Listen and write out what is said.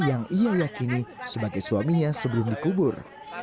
yang ia yakini sebagai suaminya sebelum dikubur